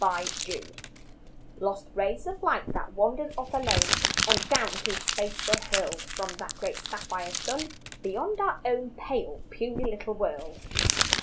SAPPHIRES Lost rays of light that wandered off alone And down through space were hurled From that great sapphire sun beyond our own Pale, puny little world.